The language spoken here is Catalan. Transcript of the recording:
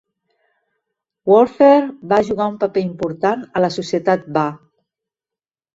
Warfare va jugar un paper important a la societat Ba.